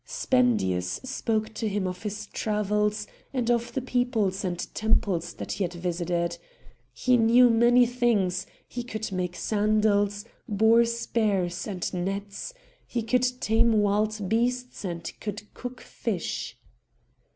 Spendius spoke to him of his travels, and of the peoples and temples that he had visited. He knew many things: he could make sandals, boar spears and nets; he could tame wild beasts and could cook fish.